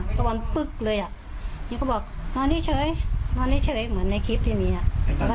ก็มันพึกเลยอ่ะอย่างนี้เขาบอกนอนนี้เฉยนอนนี้เฉยเหมือนในคลิปที่มีอ่ะ